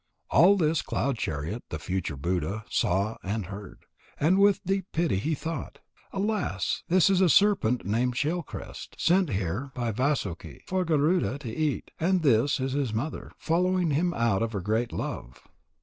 All this Cloud chariot, the future Buddha, saw and heard. And with deep pity he thought: "Alas! This is a serpent named Shell crest, sent here by Vasuki for Garuda to eat. And this is his mother, following him out of her great love.